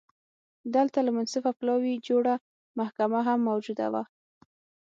دلته له منصفه پلاوي جوړه محکمه هم موجوده وه